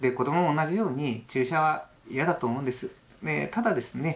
ただですね